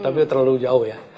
tapi terlalu jauh ya